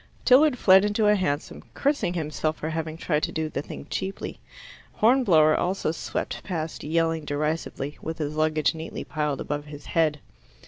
Tilliard fled into a hansom, cursing himself for having tried to do the thing cheaply. Hornblower also swept past yelling derisively, with his luggage neatly piled above his head.